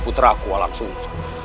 putraku walang sungsa